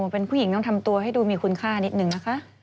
เป็นผู้หญิงต้องทำตัวให้ดูมีคุณค่านิดนึงนะคะ